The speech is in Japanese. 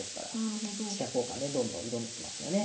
交換ねどんどん挑んできますよね